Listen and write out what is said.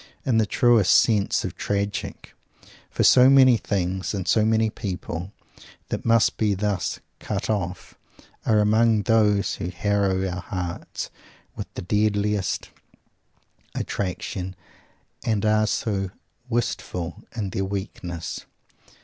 In the truest sense tragic! For so many things, and so many people, that must be thus "cut off," are among those who harrow our hearts with the deadliest attraction and are so wistful in their weakness.